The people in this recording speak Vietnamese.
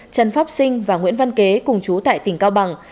trần pháp sinh và nguyễn văn kế cùng chú tại tỉnh cao bằng